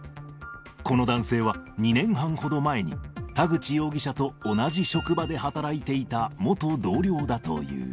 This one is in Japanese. この男性は２年半ほど前に、田口容疑者と同じ職場で働いていた元同僚だという。